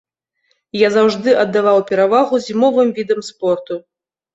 Я заўжды аддаваў перавагу зімовым відам спорту.